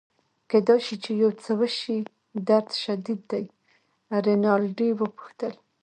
کیدای شي چي یو څه وشي، درد شدید دی؟ رینالډي وپوښتل.